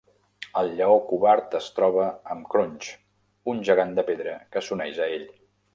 El Lleó Covard es troba amb Crunch, un gegant de pedra, que s'uneix a ell.